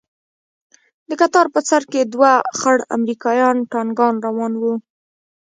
د کتار په سر کښې دوه خړ امريکايي ټانگان روان وو.